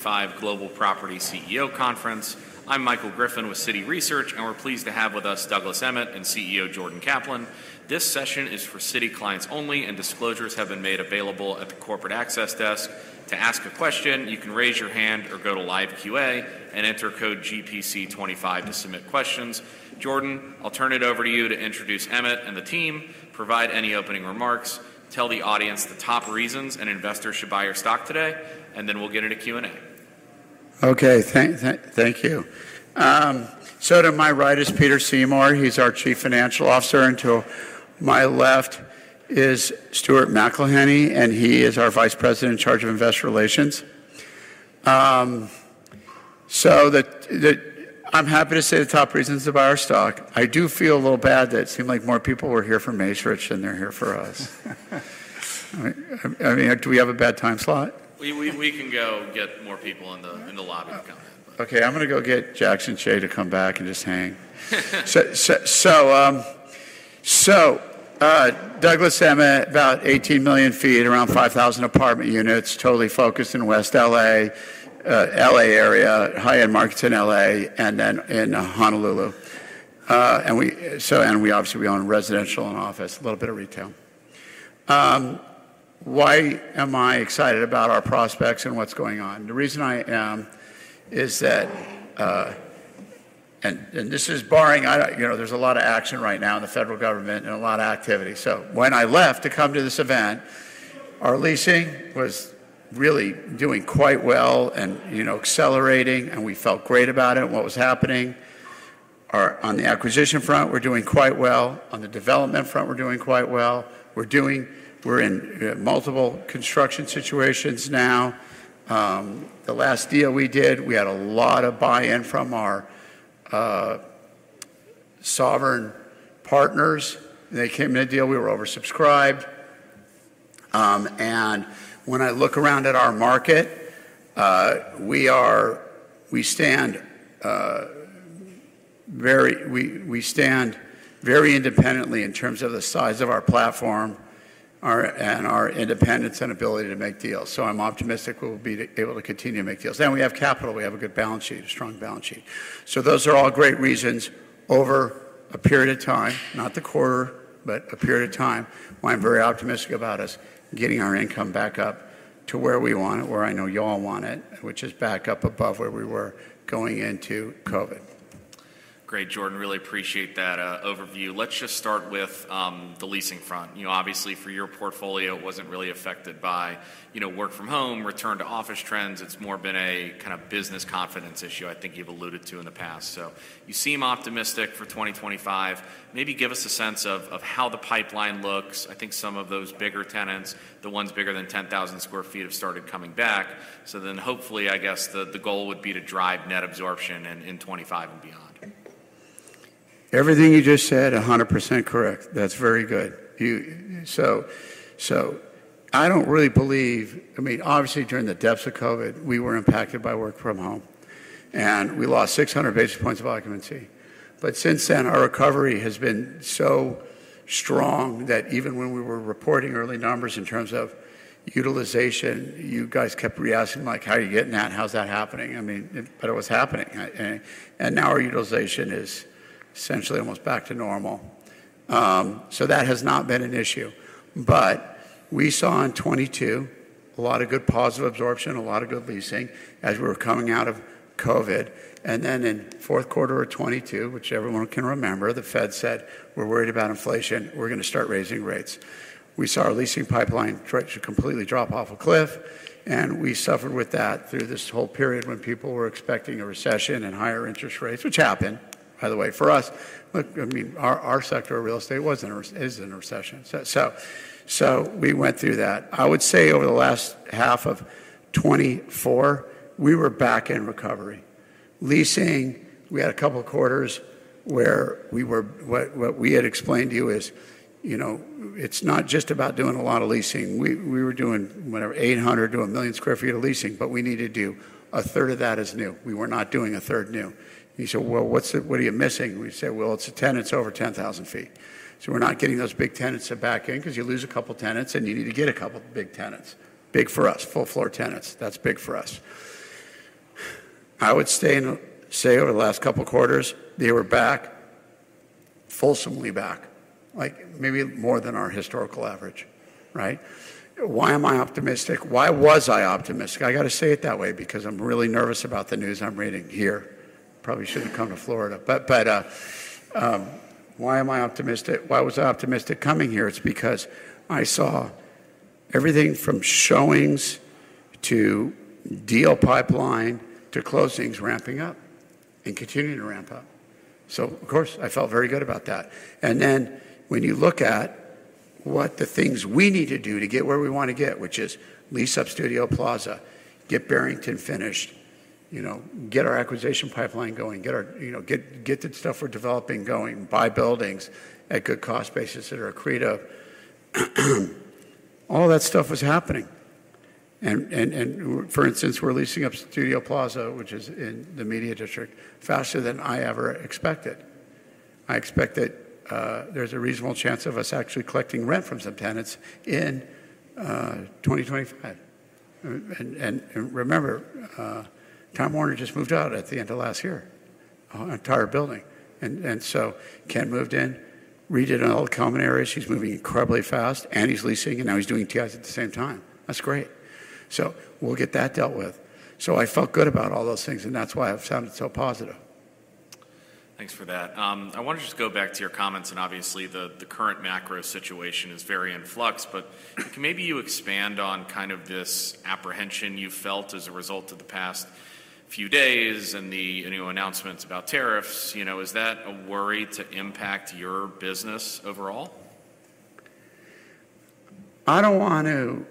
Citi 2025 Global Property CEO Conference. I'm Michael Griffin with Citi Research, and we're pleased to have with us Douglas Emmett and CEO Jordan Kaplan. This session is for Citi clients only, and disclosures have been made available at the corporate access desk. To ask a question, you can raise your hand or go to Live Q&A and enter code GPC25 to submit questions. Jordan, I'll turn it over to you to introduce Emmett and the team, provide any opening remarks, tell the audience the top reasons an investor should buy your stock today, and then we'll get into Q&A. Okay. Thank you. So to my right is Peter Seymour. He's our Chief Financial Officer. And to my left is Stuart McElhinney, and he is our Vice President in Charge of Investor Relations. So I'm happy to say the top reasons to buy our stock. I do feel a little bad that it seemed like more people were here for Macerich than they're here for us. I mean, do we have a bad time slot? We can go get more people in the lobby to come in. Okay. I'm going to go get Jackson Hsieh to come back and just hang. So Douglas Emmett, about 18 million sq ft, around 5,000 apartment units, totally focused in West L.A., L.A. area, high-end markets in L.A., and then in Honolulu. And we obviously own residential and office, a little bit of retail. Why am I excited about our prospects and what's going on? The reason I am is that, and this is borrowing, there's a lot of action right now in the Federal government and a lot of activity. So when I left to come to this event, our leasing was really doing quite well and accelerating, and we felt great about it and what was happening. On the acquisition front, we're doing quite well. On the development front, we're doing quite well. We're in multiple construction situations now. The last deal we did, we had a lot of buy-in from our sovereign partners. They came in a deal we were oversubscribed, and when I look around at our market, we stand very independently in terms of the size of our platform and our independence and ability to make deals, so I'm optimistic we'll be able to continue to make deals, and we have capital. We have a good balance sheet, a strong balance sheet, so those are all great reasons over a period of time, not the quarter, but a period of time why I'm very optimistic about us getting our income back up to where we want it, where I know y'all want it, which is back up above where we were going into COVID. Great, Jordan. Really appreciate that overview. Let's just start with the leasing front. Obviously, for your portfolio, it wasn't really affected by work-from-home, return-to-office trends. It's more been a kind of business confidence issue I think you've alluded to in the past. So you seem optimistic for 2025. Maybe give us a sense of how the pipeline looks. I think some of those bigger tenants, the ones bigger than 10,000 sq ft, have started coming back. So then hopefully, I guess the goal would be to drive net absorption in 2025 and beyond. Everything you just said, 100% correct. That's very good. So I don't really believe, I mean, obviously, during the depths of COVID, we were impacted by work-from-home, and we lost 600 basis points of occupancy. But since then, our recovery has been so strong that even when we were reporting early numbers in terms of utilization, you guys kept re-asking, like, "How are you getting that? How's that happening?" I mean, but it was happening. And now our utilization is essentially almost back to normal. So that has not been an issue. But we saw in 2022 a lot of good positive absorption, a lot of good leasing as we were coming out of COVID. And then in fourth quarter of 2022, which everyone can remember, the Fed said, "We're worried about inflation. We're going to start raising rates." We saw our leasing pipeline completely drop off a cliff, and we suffered with that through this whole period when people were expecting a recession and higher interest rates, which happened, by the way, for us. I mean, our sector of real estate wasn't or isn't in a recession. So we went through that. I would say over the last half of 2024, we were back in recovery. Leasing, we had a couple of quarters where we were, what we had explained to you is it's not just about doing a lot of leasing. We were doing 800,000 sq ft-1 million sq ft of leasing, but we needed to do 1/3 of that as new. We were not doing a third new. You said, "Well, what are you missing?" We said, "Well, it's tenants over 10,000 ft." So we're not getting those big tenants back in because you lose a couple of tenants and you need to get a couple of big tenants. Big for us, full-floor tenants. That's big for us. I would say over the last couple of quarters, they were back, fulsomely back, maybe more than our historical average. Right? Why am I optimistic? Why was I optimistic? I got to say it that way because I'm really nervous about the news I'm reading here. I probably shouldn't have come to Florida. But why am I optimistic? Why was I optimistic coming here? It's because I saw everything from showings to deal pipeline to closings ramping up and continuing to ramp up. So of course, I felt very good about that. And then when you look at what the things we need to do to get where we want to get, which is lease up Studio Plaza, get Barrington finished, get our acquisition pipeline going, get the stuff we're developing going, buy buildings at good cost basis that are accretive, all that stuff was happening. And for instance, we're leasing up Studio Plaza, which is in the Media District, faster than I ever expected. I expect that there's a reasonable chance of us actually collecting rent from some tenants in 2025, and remember, Warner Bros. just moved out at the end of last year, an entire building, and so Ken moved in, redid all the common areas. He's moving incredibly fast, and he's leasing, and now he's doing TIs at the same time. That's great, so we'll get that dealt with. So I felt good about all those things, and that's why I've sounded so positive. Thanks for that. I want to just go back to your comments. And obviously, the current macro situation is very in flux, but can maybe you expand on kind of this apprehension you've felt as a result of the past few days and the announcements about tariffs? Is that a worry to impact your business overall? I don't want to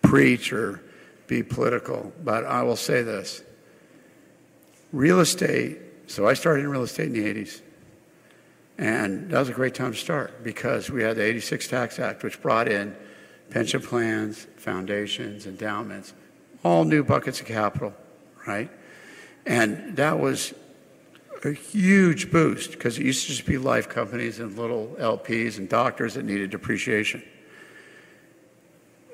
preach or be political, but I will say this. Real estate, so I started in real estate in the 1980s, and that was a great time to start because we had the 1986 Tax Act, which brought in pension plans, foundations, endowments, all new buckets of capital. Right? And that was a huge boost because it used to just be life companies and little LPs and doctors that needed depreciation.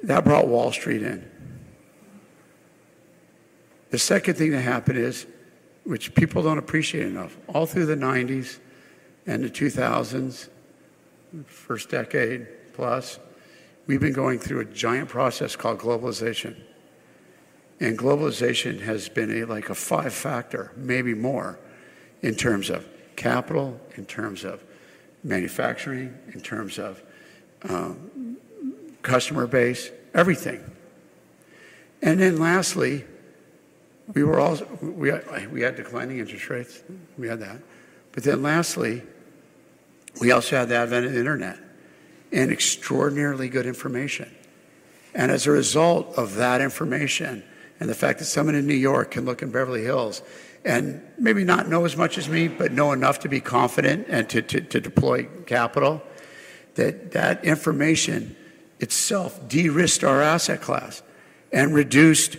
That brought Wall Street in. The second thing that happened is, which people don't appreciate enough, all through the 1990s and the 2000s, first decade plus, we've been going through a giant process called globalization. And globalization has been like a five-factor, maybe more, in terms of capital, in terms of manufacturing, in terms of customer base, everything. And then lastly, we had declining interest rates. We had that. But then lastly, we also had the advent of the internet and extraordinarily good information. And as a result of that information and the fact that someone in New York can look in Beverly Hills and maybe not know as much as me, but know enough to be confident and to deploy capital, that information itself de-risked our asset class and reduced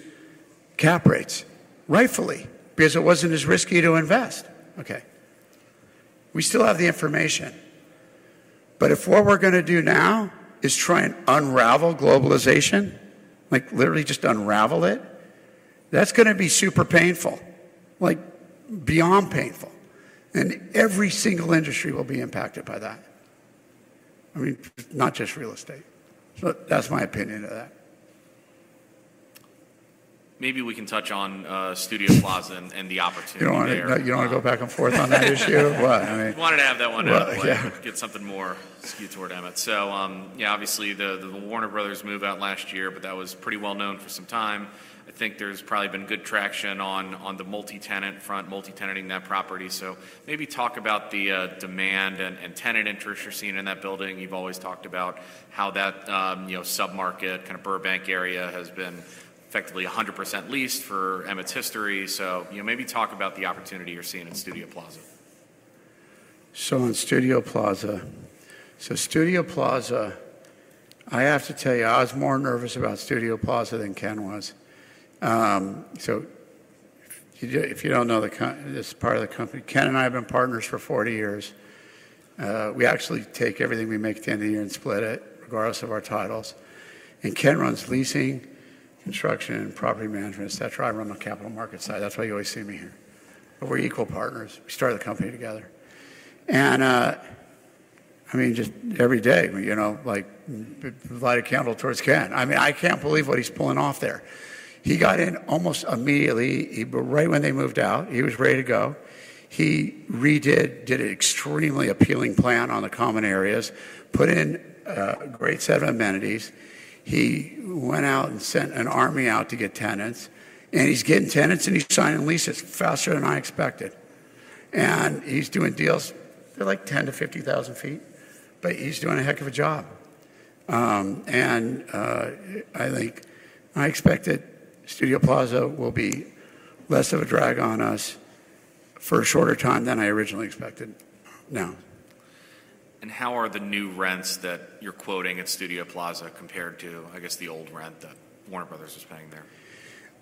cap rates rightfully because it wasn't as risky to invest. Okay. We still have the information. But if what we're going to do now is try and unravel globalization, like literally just unravel it, that's going to be super painful, like beyond painful. And every single industry will be impacted by that. I mean, not just real estate. So that's my opinion of that. Maybe we can touch on Studio Plaza and the opportunity there. You don't want to go back and forth on that issue? I wanted to have that one and get something more skewed toward Emmett. So yeah, obviously, the Warner Brothers move out last year, but that was pretty well known for some time. I think there's probably been good traction on the multi-tenant front, multi-tenanting that property. So maybe talk about the demand and tenant interest you're seeing in that building. You've always talked about how that submarket, kind of Burbank area, has been effectively 100% leased for Emmett's history. So maybe talk about the opportunity you're seeing in Studio Plaza. So in Studio Plaza, I have to tell you, I was more nervous about Studio Plaza than Ken was. So if you don't know this part of the company, Ken and I have been partners for 40 years. We actually take everything we make at the end of the year and split it, regardless of our titles. And Ken runs leasing, construction, property management, etc. I run the capital markets side. That's why you always see me here. But we're equal partners. We started the company together. And I mean, just every day, I light a candle towards Ken. I mean, I can't believe what he's pulling off there. He got in almost immediately. Right when they moved out, he was ready to go. He redid, did an extremely appealing plan on the common areas, put in a great set of amenities. He went out and sent an army out to get tenants. And he's getting tenants, and he's signing leases faster than I expected. And he's doing deals for like 10,000 ft-50,000 ft, but he's doing a heck of a job. And I think I expect that Studio Plaza will be less of a drag on us for a shorter time than I originally expected. How are the new rents that you're quoting at Studio Plaza compared to, I guess, the old rent that Warner Brothers is paying there?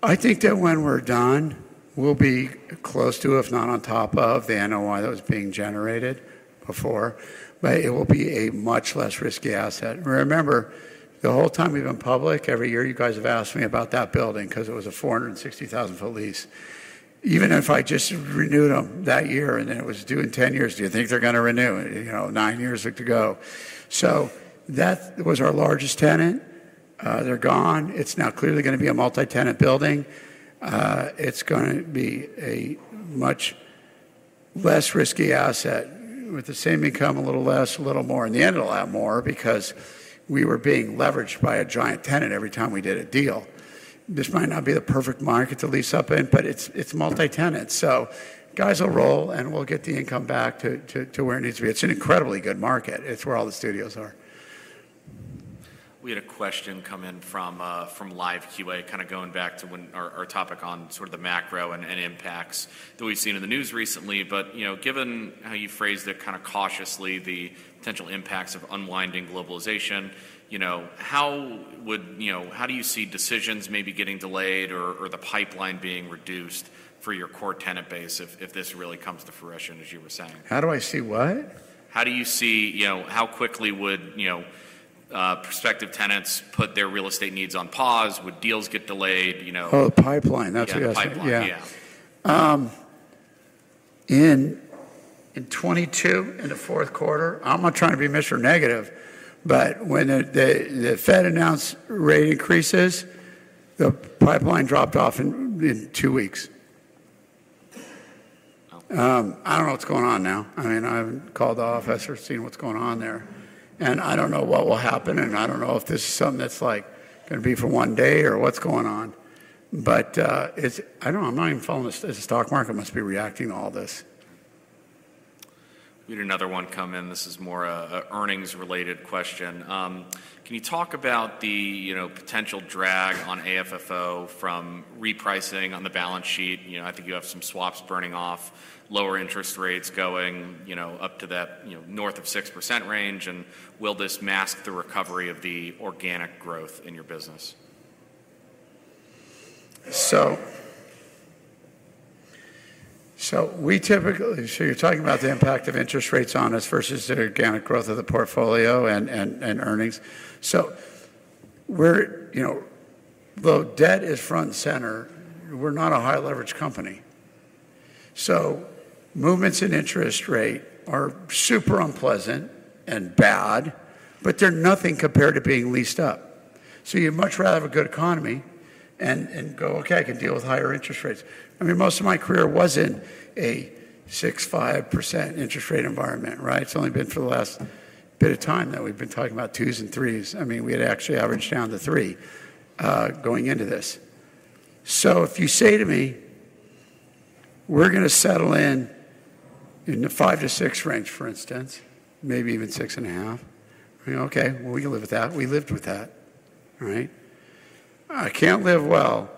I think that when we're done, we'll be close to, if not on top of the NOI that was being generated before. But it will be a much less risky asset. Remember, the whole time we've been public, every year you guys have asked me about that building because it was a 460,000 sq ft lease. Even if I just renewed them that year and then it was due in 10 years, do you think they're going to renew? Nine years to go. So that was our largest tenant. They're gone. It's now clearly going to be a multi-tenant building. It's going to be a much less risky asset with the same income, a little less, a little more. In the end, it'll add more because we were being leveraged by a giant tenant every time we did a deal. This might not be the perfect market to lease up in, but it's multi-tenant. So guys will roll, and we'll get the income back to where it needs to be. It's an incredibly good market. It's where all the studios are. We had a question come in from Live QA, kind of going back to our topic on sort of the macro and impacts that we've seen in the news recently, but given how you phrased it kind of cautiously, the potential impacts of unwinding globalization, how do you see decisions maybe getting delayed or the pipeline being reduced for your core tenant base if this really comes to fruition, as you were saying? How do I see what? How do you see how quickly would prospective tenants put their real estate needs on pause? Would deals get delayed? Oh, the pipeline. That's what you asked me. Yeah. In 2022, in the fourth quarter, I'm not trying to be miserable or negative, but when the Fed announced rate increases, the pipeline dropped off in two weeks. I don't know what's going on now. I mean, I haven't called the office or seen what's going on there. And I don't know what will happen, and I don't know if this is something that's like going to be for one day or what's going on. But I don't know. I'm not even following this. The stock market must be reacting to all this. We had another one come in. This is more an earnings-related question. Can you talk about the potential drag on AFFO from repricing on the balance sheet? I think you have some swaps burning off, lower interest rates going up to that north of 6% range, and will this mask the recovery of the organic growth in your business? So you're talking about the impact of interest rates on us versus the organic growth of the portfolio and earnings. So though debt is front and center, we're not a high-leverage company. So movements in interest rate are super unpleasant and bad, but they're nothing compared to being leased up. So you'd much rather have a good economy and go, "Okay, I can deal with higher interest rates." I mean, most of my career was in a 6%-5% interest rate environment. Right? It's only been for the last bit of time that we've been talking about twos and threes. I mean, we had actually averaged down to three going into this. So if you say to me, "We're going to settle in in the 5%-6% range," for instance, maybe even 6.5%, okay, well, we can live with that. We lived with that. Right? I can't live well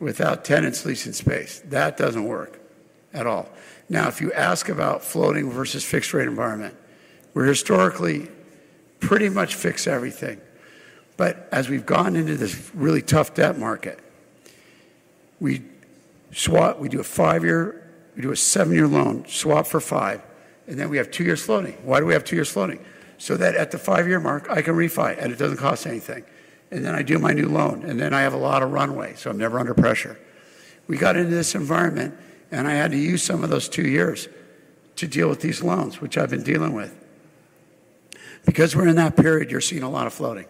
without tenants leasing space. That doesn't work at all. Now, if you ask about floating versus fixed-rate environment, we're historically pretty much fixed everything. But as we've gotten into this really tough debt market, we do a five-year, we do a seven-year loan, swap for five, and then we have two-year floating. Why do we have two-year floating? So that at the five-year mark, I can refi, and it doesn't cost anything. And then I do my new loan, and then I have a lot of runway, so I'm never under pressure. We got into this environment, and I had to use some of those two years to deal with these loans, which I've been dealing with. Because we're in that period, you're seeing a lot of floating.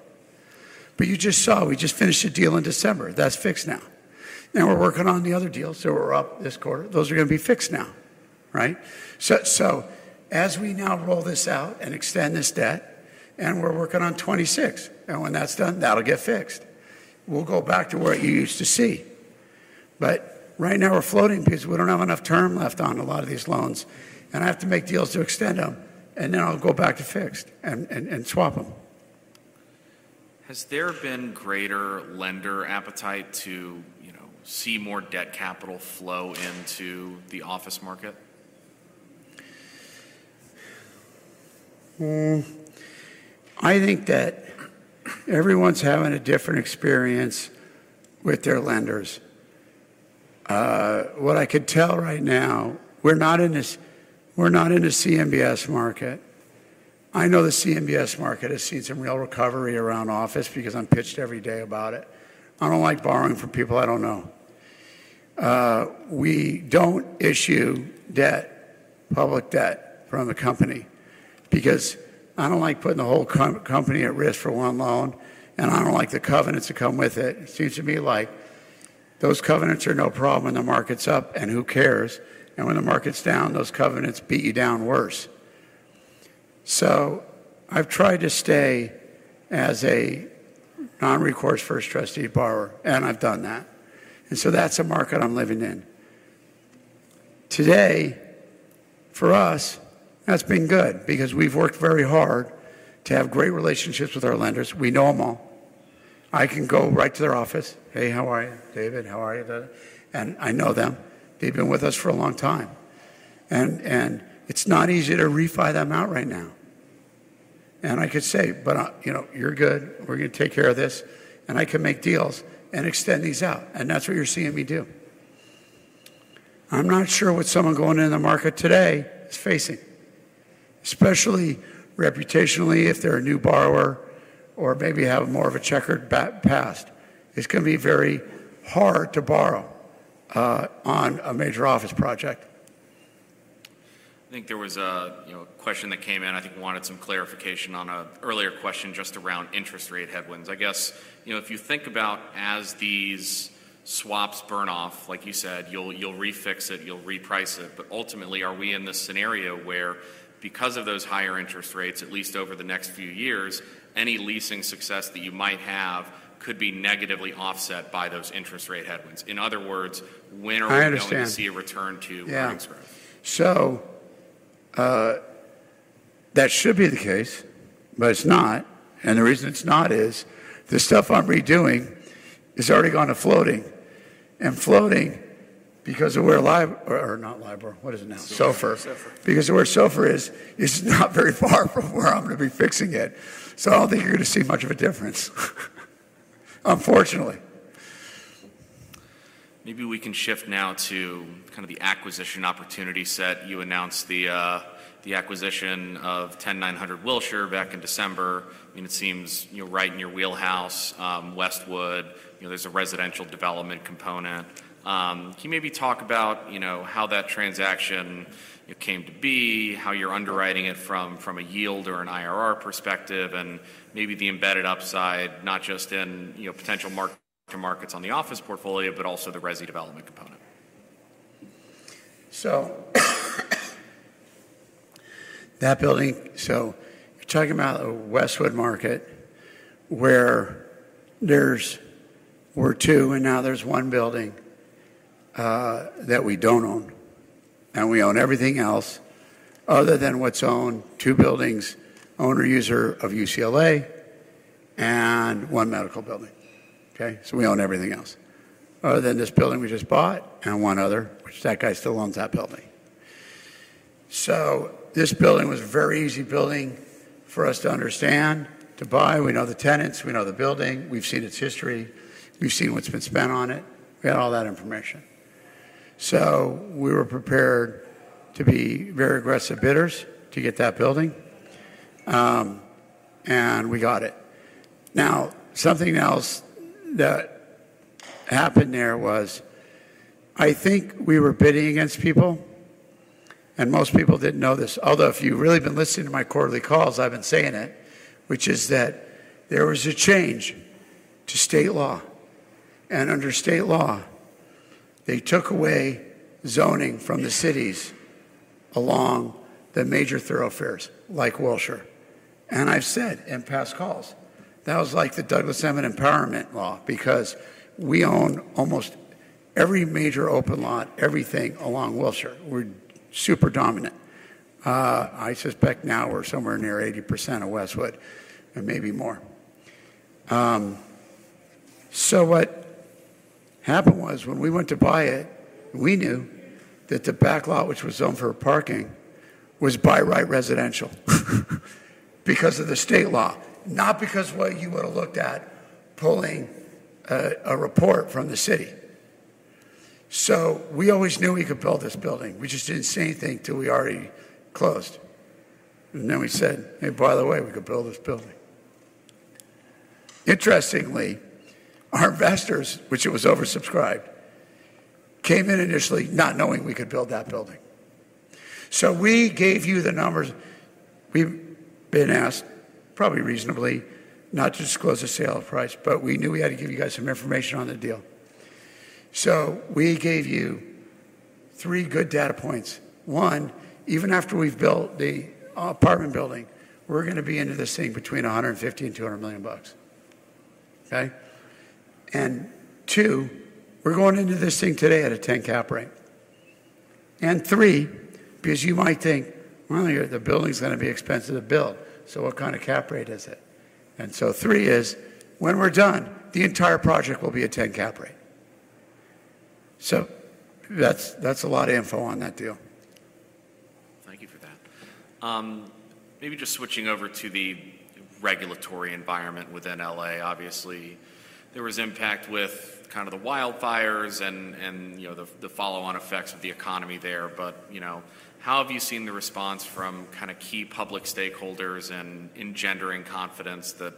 But you just saw, we just finished a deal in December. That's fixed now. Now we're working on the other deals that were up this quarter. Those are going to be fixed now. Right? So as we now roll this out and extend this debt, and we're working on 2026, and when that's done, that'll get fixed. We'll go back to what you used to see. But right now, we're floating because we don't have enough term left on a lot of these loans. And I have to make deals to extend them, and then I'll go back to fixed and swap them. Has there been greater lender appetite to see more debt capital flow into the office market? I think that everyone's having a different experience with their lenders. What I could tell right now, we're not in a CMBS market. I know the CMBS market has seen some real recovery around office because I'm pitched every day about it. I don't like borrowing from people I don't know. We don't issue debt, public debt from the company because I don't like putting the whole company at risk for one loan, and I don't like the covenants that come with it. It seems to me like those covenants are no problem when the market's up, and who cares? And when the market's down, those covenants beat you down worse. So I've tried to stay as a non-recourse first trustee borrower, and I've done that. And so that's a market I'm living in. Today, for us, that's been good because we've worked very hard to have great relationships with our lenders. We know them all. I can go right to their office. "Hey, how are you, David? How are you?" And I know them. They've been with us for a long time. And it's not easy to refi them out right now. And I could say, "But you're good. We're going to take care of this." And I can make deals and extend these out. And that's what you're seeing me do. I'm not sure what someone going in the market today is facing, especially reputationally if they're a new borrower or maybe have more of a checkered past. It's going to be very hard to borrow on a major office project. I think there was a question that came in. I think we wanted some clarification on an earlier question just around interest rate headwinds. I guess if you think about as these swaps burn off, like you said, you'll refix it, you'll reprice it. But ultimately, are we in this scenario where, because of those higher interest rates, at least over the next few years, any leasing success that you might have could be negatively offset by those interest rate headwinds? In other words, when are we going to see a return to earnings growth? So that should be the case, but it's not. And the reason it's not is the stuff I'm redoing is already gone to floating. And floating, because of where LIBOR, not LIBOR, what is it now? SOFR. Because where SOFR is, it's not very far from where I'm going to be fixing it. So I don't think you're going to see much of a difference, unfortunately. Maybe we can shift now to kind of the acquisition opportunity set. You announced the acquisition of 10900 Wilshire back in December. I mean, it seems right in your wheelhouse. Westwood, there's a residential development component. Can you maybe talk about how that transaction came to be, how you're underwriting it from a yield or an IRR perspective, and maybe the embedded upside, not just in potential markets on the office portfolio, but also the resi development component? That building, so you're talking about a Westwood market where there were two, and now there's one building that we don't own. And we own everything else other than what's owned two buildings, owner-user of UCLA, and one medical building. Okay? So we own everything else. Other than this building we just bought and one other, which that guy still owns that building. So this building was a very easy building for us to understand, to buy. We know the tenants. We know the building. We've seen its history. We've seen what's been spent on it. We had all that information. So we were prepared to be very aggressive bidders to get that building. And we got it. Now, something else that happened there was I think we were bidding against people. And most people didn't know this, although if you've really been listening to my quarterly calls, I've been saying it, which is that there was a change to state law. And under state law, they took away zoning from the cities along the major thoroughfares like Wilshire. And I've said in past calls, that was like the Douglas Emmett Empowerment Law because we own almost every major open lot, everything along Wilshire. We're super dominant. I suspect now we're somewhere near 80% of Westwood and maybe more. So what happened was when we went to buy it, we knew that the backlot, which was zoned for parking, was by right residential because of the state law, not because what you would have looked at pulling a report from the city. So we always knew we could build this building. We just didn't say anything till we already closed. And then we said, "Hey, by the way, we could build this building." Interestingly, our investors, which it was oversubscribed, came in initially not knowing we could build that building. So we gave you the numbers. We've been asked probably reasonably not to disclose the sale price, but we knew we had to give you guys some information on the deal. So we gave you three good data points. One, even after we've built the apartment building, we're going to be into this thing between $150 million and $200 million. Okay? And two, we're going into this thing today at a 10% cap rate. And three, because you might think, "Well, the building's going to be expensive to build, so what kind of cap rate is it?" And so three is when we're done, the entire project will be a 10% cap rate. So that's a lot of info on that deal. Thank you for that. Maybe just switching over to the regulatory environment within L.A. Obviously, there was impact with kind of the wildfires and the follow-on effects of the economy there. But how have you seen the response from kind of key public stakeholders and engendering confidence that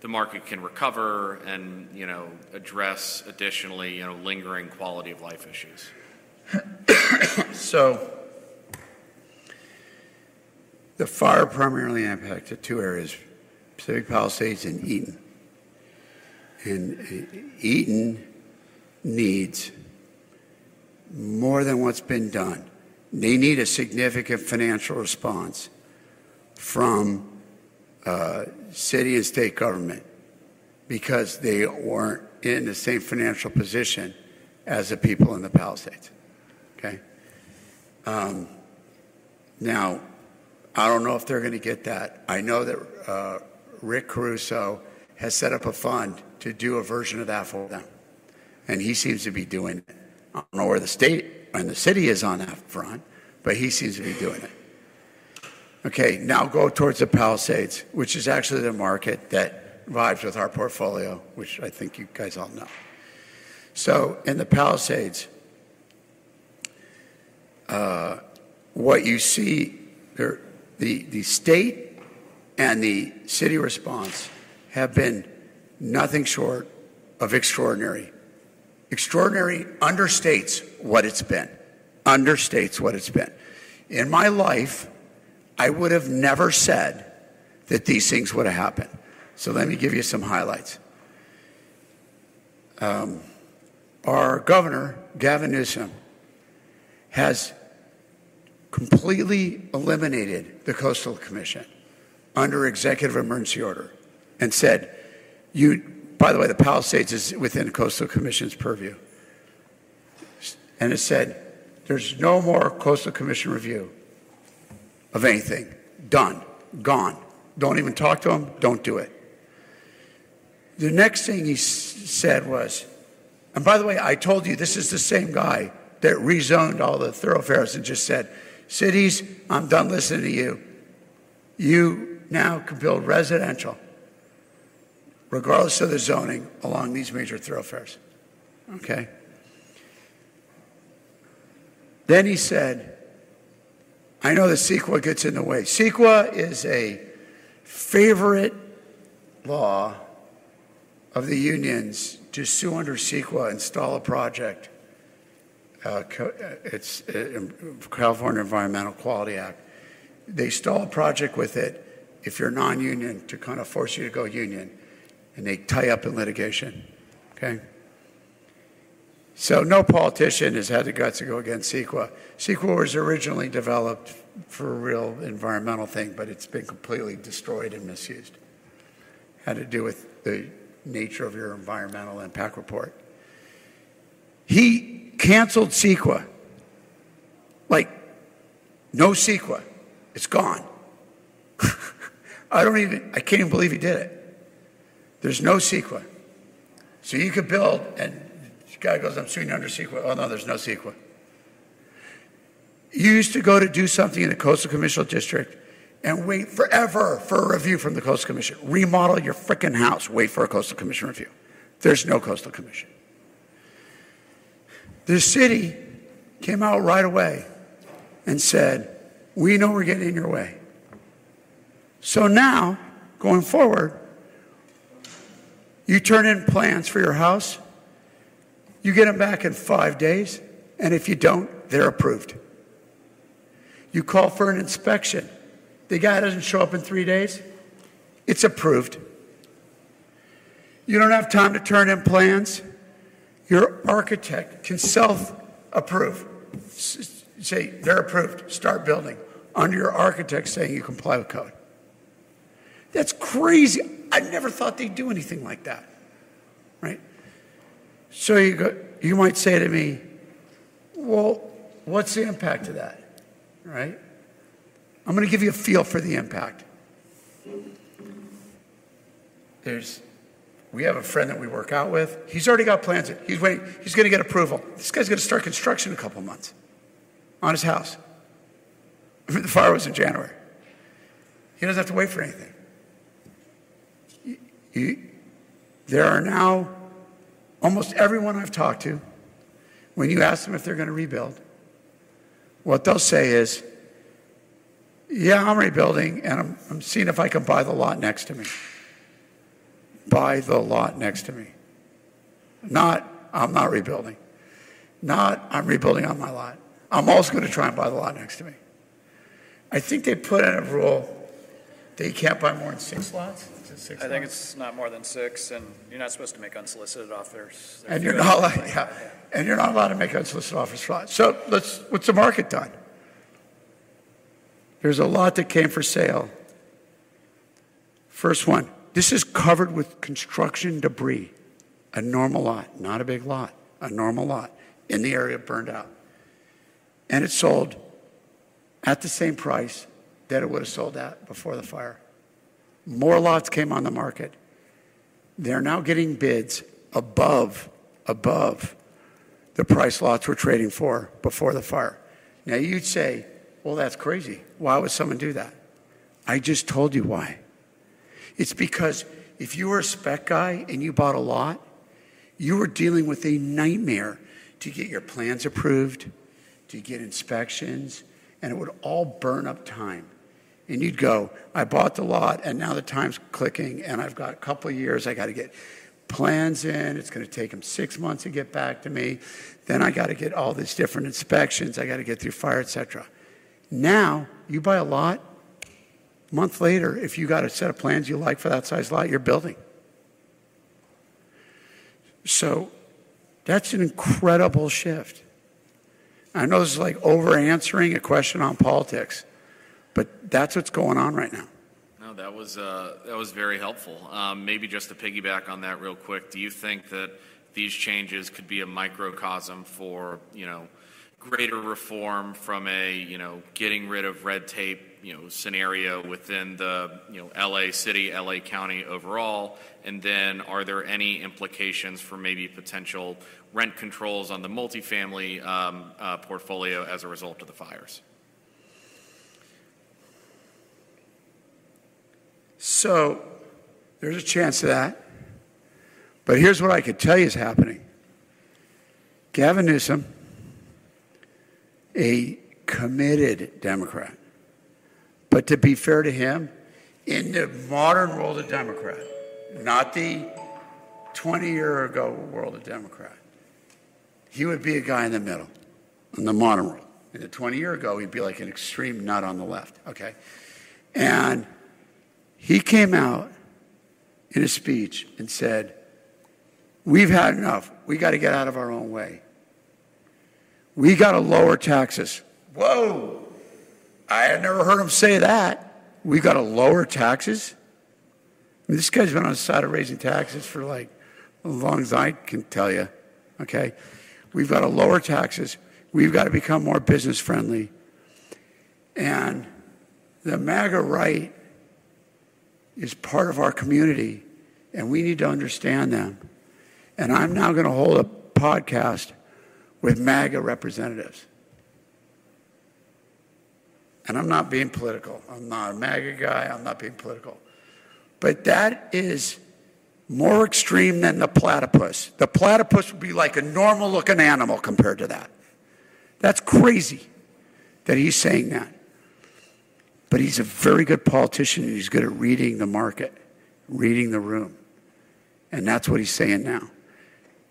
the market can recover and address additionally lingering quality of life issues? The fire primarily impacted two areas, Pacific Palisades and Eaton. Eaton needs more than what's been done. They need a significant financial response from city and state government because they weren't in the same financial position as the people in the Palisades. Okay? Now, I don't know if they're going to get that. I know that Rick Caruso has set up a fund to do a version of that for them. He seems to be doing it. I don't know where the state and the city is on that front, but he seems to be doing it. Okay. Now go towards the Palisades, which is actually the market that vibes with our portfolio, which I think you guys all know. In the Palisades, what you see, the state and the city response have been nothing short of extraordinary. Extraordinary understates what it's been. Understates what it's been. In my life, I would have never said that these things would have happened. So let me give you some highlights. Our governor, Gavin Newsom, has completely eliminated the Coastal Commission under executive emergency order and said, "By the way, the Palisades is within Coastal Commission's purview." And it said, "There's no more Coastal Commission review of anything. Done. Gone. Don't even talk to them. Don't do it." The next thing he said was, "And by the way, I told you this is the same guy that rezoned all the thoroughfares and just said, 'Cities, I'm done listening to you. You now can build residential regardless of the zoning along these major thoroughfares.'" Okay? Then he said, "I know the CEQA gets in the way." CEQA is a favorite law of the unions to sue under CEQA and stall a project. It's California Environmental Quality Act. They stall a project with it if you're non-union to kind of force you to go union. And they tie up in litigation. Okay? So no politician has had the guts to go against CEQA. CEQA was originally developed for a real environmental thing, but it's been completely destroyed and misused. Had to do with the nature of your Environmental Impact Report. He canceled CEQA. Like no CEQA. It's gone. I can't even believe he did it. There's no CEQA. So you could build and this guy goes, "I'm suing under CEQA." Oh no, there's no CEQA. You used to go to do something in the Coastal Commission district and wait forever for a review from the Coastal Commission. Remodel your freaking house, wait for a Coastal Commission review. There's no Coastal Commission. The city came out right away and said, "We know we're getting in your way." So now, going forward, you turn in plans for your house, you get them back in five days, and if you don't, they're approved. You call for an inspection. The guy doesn't show up in three days. It's approved. You don't have time to turn in plans. Your architect can self-approve. Say, "They're approved. Start building." Under your architect saying you comply with code. That's crazy. I never thought they'd do anything like that. Right? So you might say to me, "Well, what's the impact of that?" Right? I'm going to give you a feel for the impact. We have a friend that we work out with. He's already got plans. He's going to get approval. This guy's going to start construction in a couple of months on his house. The fire was in January. He doesn't have to wait for anything. There are now almost everyone I've talked to, when you ask them if they're going to rebuild, what they'll say is, "Yeah, I'm rebuilding, and I'm seeing if I can buy the lot next to me. Buy the lot next to me." Not, "I'm not rebuilding." Not, "I'm rebuilding on my lot. I'm always going to try and buy the lot next to me." I think they put in a rule that you can't buy more than six lots. I think it's not more than six. And you're not supposed to make unsolicited offers. You're not allowed to make unsolicited offers for lots. So what's the market done? There's a lot that came for sale. First one, this is covered with construction debris. A normal lot. Not a big lot. A normal lot in the area burned out. And it sold at the same price that it would have sold at before the fire. More lots came on the market. They're now getting bids above the price lots were trading for before the fire. Now you'd say, "Well, that's crazy. Why would someone do that?" I just told you why. It's because if you were a spec guy and you bought a lot, you were dealing with a nightmare to get your plans approved, to get inspections, and it would all burn up time. And you'd go, "I bought the lot, and now the time's clicking, and I've got a couple of years. I got to get plans in. It's going to take them six months to get back to me. Then I got to get all these different inspections. I got to get through fire, etc." Now you buy a lot. A month later, if you got a set of plans you like for that size lot, you're building. So that's an incredible shift. I know this is like over answering a question on politics, but that's what's going on right now. No, that was very helpful. Maybe just to piggyback on that real quick, do you think that these changes could be a microcosm for greater reform from a getting rid of red tape scenario within the L.A. city, L.A. county overall? And then are there any implications for maybe potential rent controls on the multifamily portfolio as a result of the fires? So there's a chance of that. But here's what I can tell you is happening. Gavin Newsom, a committed Democrat, but to be fair to him, in the modern world of Democrat, not the 20-year-ago world of Democrat, he would be a guy in the middle in the modern world. In the 20-year-ago, he'd be like an extreme nut on the left. Okay? And he came out in a speech and said, "We've had enough. We got to get out of our own way. We got to lower taxes." Whoa. I had never heard him say that. We got to lower taxes? This guy's been on the side of raising taxes for like as long as I can tell you. Okay? We've got to lower taxes. We've got to become more business-friendly. And the MAGA right is part of our community, and we need to understand them. And I'm now going to hold a podcast with MAGA representatives. And I'm not being political. I'm not a MAGA guy. I'm not being political. But that is more extreme than the platypus. The platypus would be like a normal-looking animal compared to that. That's crazy that he's saying that. But he's a very good politician, and he's good at reading the market, reading the room. And that's what he's saying now.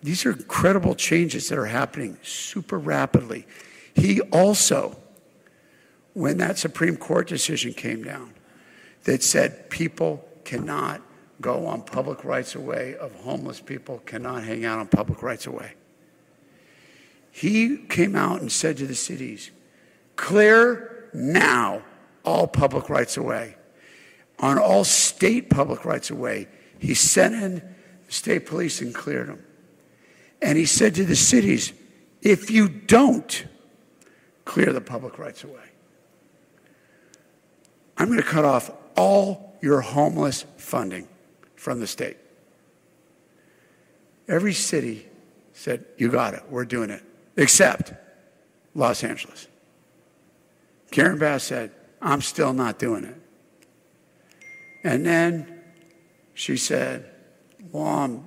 These are incredible changes that are happening super rapidly. He also, when that Supreme Court decision came down that said people cannot go on public rights-of-way, of homeless people cannot hang out on public rights-of-way, he came out and said to the cities, "Clear now all public rights-of-way. On all state public rights-of-way." He sent in the state police and cleared them. And he said to the cities, "If you don't clear the public rights away, I'm going to cut off all your homeless funding from the state." Every city said, "You got it. We're doing it." Except Los Angeles. Karen Bass said, "I'm still not doing it." And then she said, "Well, I'm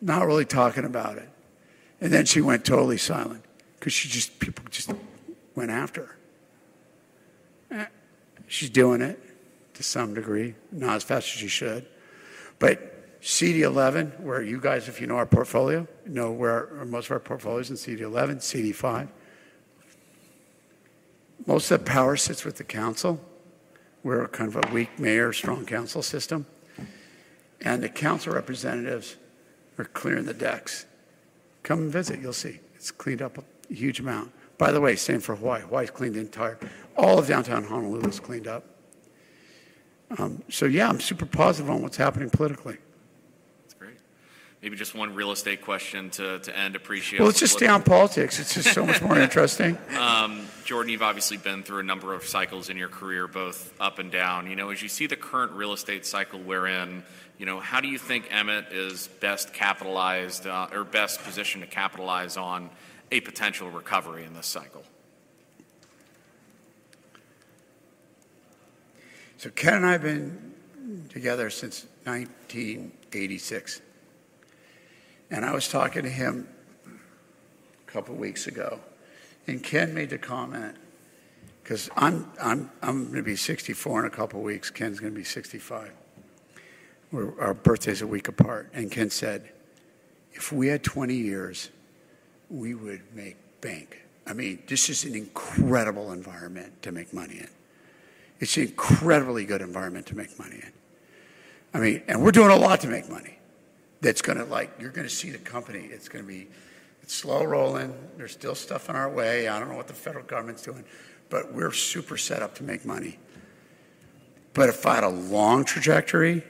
not really talking about it." And then she went totally silent because people just went after her. She's doing it to some degree, not as fast as she should. But CD11, where you guys, if you know our portfolio, know where most of our portfolio is in CD11, CD5, most of the power sits with the council. We're kind of a weak mayor, strong council system. And the council representatives are clearing the decks. Come and visit. You'll see. It's cleaned up a huge amount. By the way, same for Hawaii. Hawaii's cleaned. Downtown Honolulu's cleaned up, so yeah, I'm super positive on what's happening politically. That's great. Maybe just one real estate question to end. Appreciate it. It's just stay on politics. It's just so much more interesting. Jordan, you've obviously been through a number of cycles in your career, both up and down. As you see the current real estate cycle we're in, how do you think Emmett is best capitalized or best positioned to capitalize on a potential recovery in this cycle? So Ken and I have been together since 1986. And I was talking to him a couple of weeks ago. And Ken made the comment, because I'm going to be 64 years in a couple of weeks, Ken's going to be 65 years. Our birthday's a week apart. And Ken said, "If we had 20 years, we would make bank." I mean, this is an incredible environment to make money in. It's an incredibly good environment to make money in. I mean, and we're doing a lot to make money. That's going to like, you're going to see the company. It's going to be slow rolling. There's still stuff in our way. I don't know what the federal government's doing, but we're super set up to make money. But if I had a long trajectory,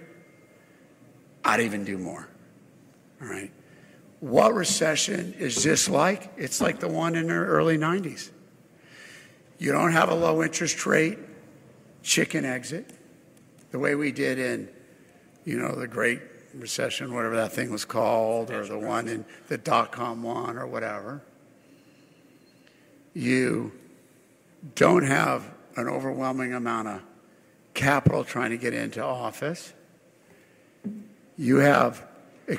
I'd even do more. All right? What recession is this like? It's like the one in the early '90s. You don't have a low interest rate, cheap and quick exit, the way we did in the Great Recession, whatever that thing was called, or the one in the dot-com one or whatever. You don't have an overwhelming amount of capital trying to get into office. You have a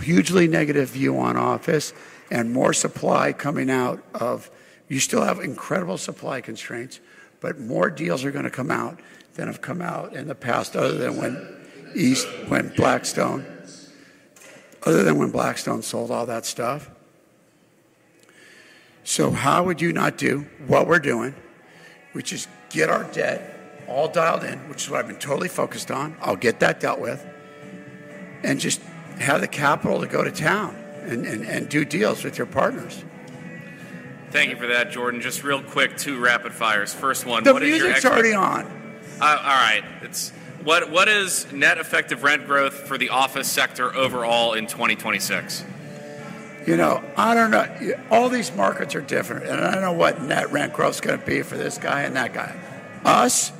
hugely negative view on office and more supply coming out, but you still have incredible supply constraints, but more deals are going to come out than have come out in the past, other than when Blackstone sold all that stuff. So how would you not do what we're doing, which is get our debt all dialed in, which is what I've been totally focused on? I'll get that dealt with and just have the capital to go to town and do deals with your partners. Thank you for that, Jordan. Just real quick, two rapid fires. First one. The music's already on. All right. What is net effective rent growth for the office sector overall in 2026? You know, I don't know. All these markets are different, and I don't know what net rent growth's going to be for this guy and that guy. Us,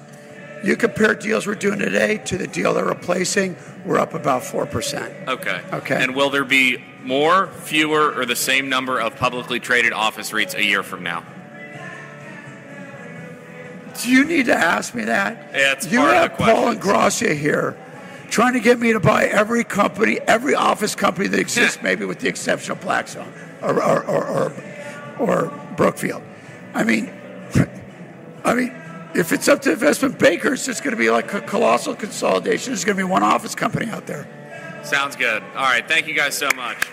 you compare deals we're doing today to the deal they're replacing, we're up about 4%. Okay, and will there be more, fewer, or the same number of publicly traded office REITs a year from now? Do you need to ask me that? Yeah, it's part of the question. You have Paul Ingrassia here trying to get me to buy every company, every office company that exists, maybe with the exception of Blackstone or Brookfield. I mean, if it's up to investment bankers, it's going to be like a colossal consolidation. There's going to be one office company out there. Sounds good. All right. Thank you guys so much.